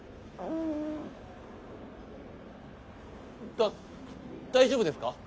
だ大丈夫ですか？